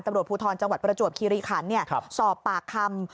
ตำรวจภูทรจังหวัดประจวบคิริขันสอบปากคำ